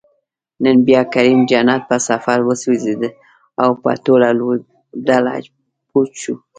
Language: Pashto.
نن بیا کریم جنت په صفر وسوځید، او په ټوله لوبډله بوج شو